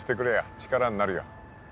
力になるよ